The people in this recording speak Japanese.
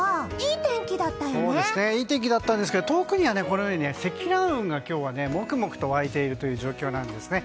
いい天気だったんですが遠くには積乱雲が今日はもくもくと湧いているという状況なんですね。